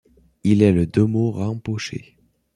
Il est le Demo Rinpoché.